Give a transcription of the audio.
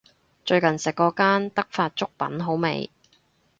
最近食過間德發粥品好味